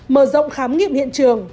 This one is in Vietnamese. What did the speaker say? mở rộng khám nghiệm hiện trường